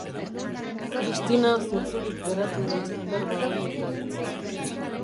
Kristina zurturik geratu da berba horiek aditzean.